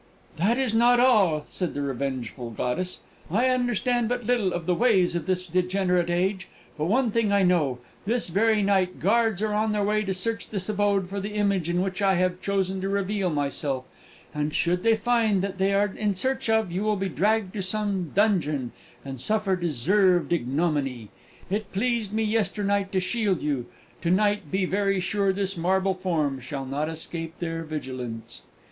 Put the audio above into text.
"That is not all," said the revengeful goddess. "I understand but little of the ways of this degenerate age. But one thing I know: this very night, guards are on their way to search this abode for the image in which I have chosen to reveal myself; and, should they find that they are in search of, you will be dragged to some dungeon, and suffer deserved ignominy. It pleased me yesternight to shield you: to night, be very sure that this marble form shall not escape their vigilance!"